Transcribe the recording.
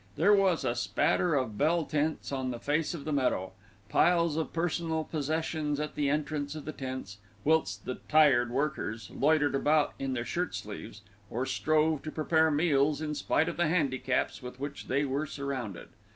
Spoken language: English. There was a spatter of bell tents on the face of the meadow, piles of personal possessions at the entrance of the tents, whilst the "tired workers" loitered about in their shirt sleeves, or strove to prepare meals in spite of the handicaps with which they were surrounded.